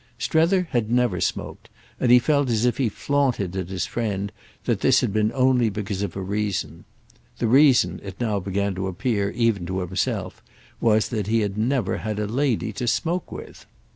Strether had never smoked, and he felt as if he flaunted at his friend that this had been only because of a reason. The reason, it now began to appear even to himself, was that he had never had a lady to smoke with.